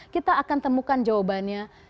kita akan temukan jawabannya